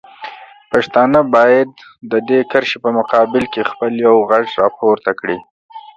پښتانه باید د دې کرښې په مقابل کې خپل یو غږ راپورته کړي.